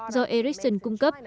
do ericsson cung cấp